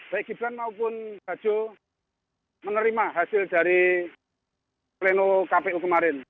baik gibran maupun bajo menerima hasil dari pleno kpu kemarin